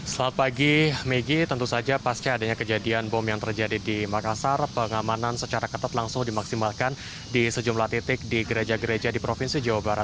selamat pagi maggie tentu saja pasca adanya kejadian bom yang terjadi di makassar pengamanan secara ketat langsung dimaksimalkan di sejumlah titik di gereja gereja di provinsi jawa barat